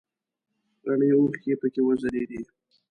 رڼې اوښکې پکې وځلیدې.